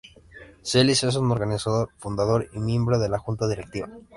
Celis es un organizador, fundador y miembro de la junta directiva.